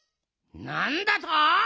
なんだと！